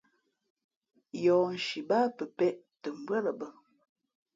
Yǒhnshi báá pəpēʼ tα mbʉά lα bᾱ.